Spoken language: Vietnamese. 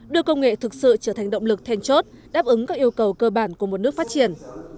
đưa công nghệ thực sự trở thành động lực then chốt đáp ứng các yêu cầu cơ bản của một nước phát triển